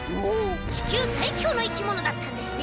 ちきゅうさいきょうのいきものだったんですね。